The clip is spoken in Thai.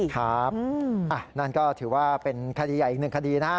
ครับนั่นก็ถือว่าเป็นคดีใหญ่อีกหนึ่งคดีนะฮะ